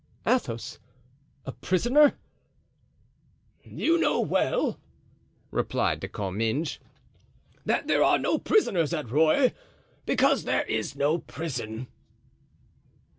"Athos—a prisoner?" "You know well," replied De Comminges, "that there are no prisoners at Rueil, because there is no prison."